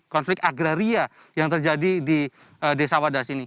konflik agraria yang terjadi di desa wadas ini